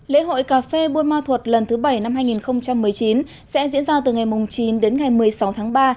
lễ hội cà phê buôn ma thuật lần thứ bảy năm hai nghìn một mươi chín sẽ diễn ra từ ngày chín đến ngày một mươi sáu tháng ba